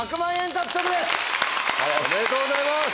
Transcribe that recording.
おめでとうございます！